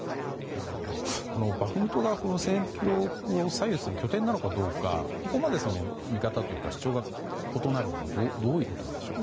このバフムトが戦局を左右する拠点なのかここまで見方というか主張が異なるのはどういうことなんでしょう。